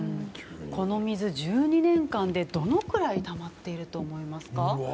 この水、１２年間でどのくらいたまっていると思いますか？